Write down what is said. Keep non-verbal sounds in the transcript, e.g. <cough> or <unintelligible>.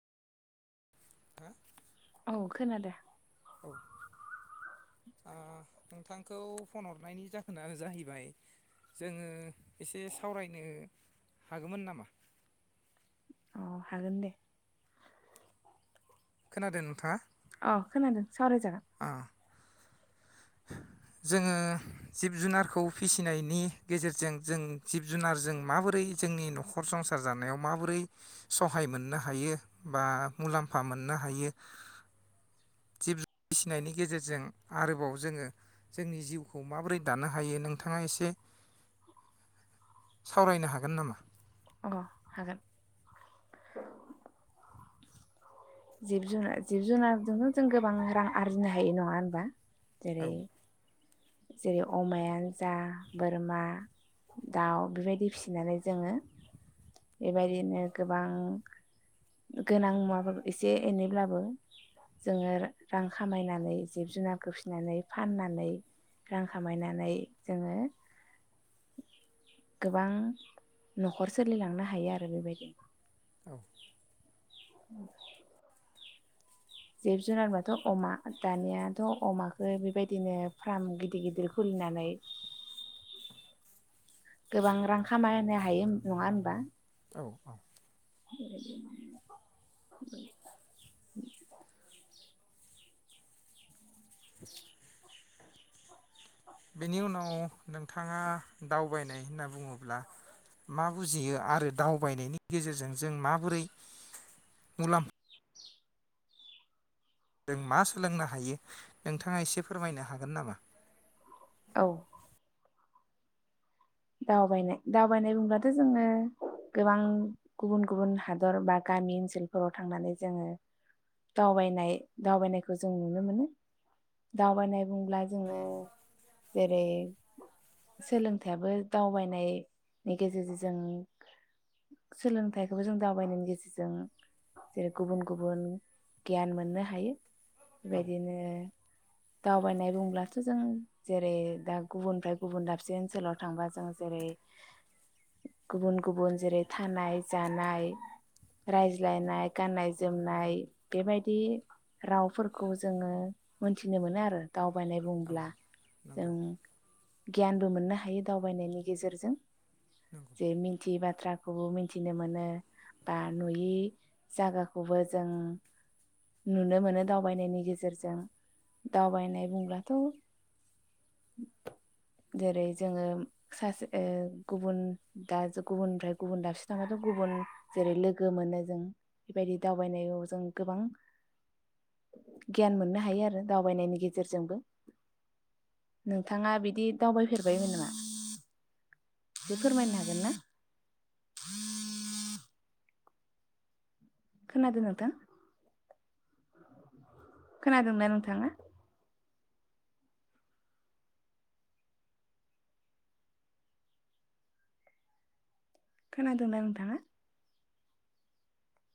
हा औ खोनादों। आं नोंथांखौ फन हरनायनि जाहोना जाहैबाय जोङो एसे सावरायनो हागौमोन नामा औ हागोन दे। खोनादों नोंथाङा। अ खोनादों। सावराय जागोन। आ जोङो जिब जुनारखौ फिसिनायनि गेजेरजों जों जिब जुनारजों माबोरै जोंनि नखर संसार जानायाव माबोरै सहाय मोननो हायो बा मुलाम्फा मोननो हायो जिब जुनार फिसिनायनि गेजेरजों आरोबाव जोङो जोंनि जिउखौ माबोरै दानो हायो नोंथाङा एसे सावरायनो हागोन नामा। अ हागोन। जिब जुनार जिब जुनारजोंनो जों गोबां रां आरजिनो हायो नङा होनबा? औ जेरै जेरै अमायानो जा बोरमा दाउ बेबायदि फिसिनानै जोङो बेबायदिनो गोबां गोनां मुवाफोरखौ एसे एनैब्लाबो जोङो रां खामायनानै जिब जुनारखौ फिसिनानै फाननानै रां खामायनानै जोङो गोबां न'खर सोलि लांनो हायो आरो बेबायदि। औ। <inaudible> जिब जुनार होनबाथ अमा दानियाथ' अमाखौ बेबायदिनो फार्म गिदिर गिदिर खुलिनानै गोबां रां खामायनो हायो नङा होनबा। औ औ। <unintelligible> बेनि उनाव नोंथाङा दावबायनाय होनना बुङोब्ला मा बुजियो आरो दावबायनायनि गेजेरजों जों माबोरै मुलाम जों मा सोलोंनो हायो नोंथाङा एसे फोरमायनो हागोन नामा? औ। दावबायनाय दावबायनाय बुंब्लाथ' जोङो गोबां गुबुन गुबुन हादर बा गामि ओनसोलफोराव थांनानै जोङो दावबायनाय दावबायनायखौ जों नुनो मोनो। दावबायनाय बुंब्ला जोङो जेरै सोलोंथाइयाबो दावबायनाय गेजेरजों जों सोलोंथाइखौबो जों दावबायनायनि गेजेरजों जेरै गुबुन गुबुन गियान मोननो हायो। औ बेबादिनो। दावबायनाय बुंब्लाथ' जों जेरै दा गुबुननिफ्राय गुबुन दाबसे ओनसोलाव थांबा जों जेरै गुबुन गुबुन जेरै थानाय जानाय रायज्लायनाय गाननाय जोमनाय बेबायदि रावफोरखौ जोंओ मोनथिनो मोनो आरो। दावबायनाय औ बुंब्ला नंगौ जों। गियानबो मोननो हायो दाव दावबायनायनि गेजेरजों नंगौ जे मिथियै बाथ्राखौबो मिथिनो मोनो बा नुयि जागाखौबो जों नुनो मोनो दावबायनायनि गेजेरजों। दावबायनाय बुंब्लाथ' जेरै जोङो सासे ए गुबुन दाबसेनिफ्राय गुबुन दाबसे थांबाथ गुबुन जेरै लोगो मोनो जों बेबायदि दावबायनायाव जों गोबां गियान मोननो हायो आरो दावबायनायनि गेजेरजोंबो नोंथाङा बिदि दावबाय फेरबायमोन नामा। फोरमायनो हागोन ना? खोनादों नोंथां खोनादोंना नोंथाङा? खोनादोंंना नोंथाङा?